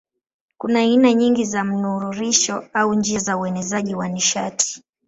Kuna aina nyingi za mnururisho au njia za uenezaji wa nishati.